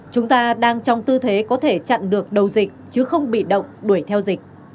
chúng ta đang trong tư thế có thể chặn được đầu dịch chứ không bị động đuổi theo dịch